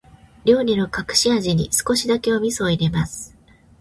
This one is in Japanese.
料理の隠し味に、少しだけお味噌を入れます。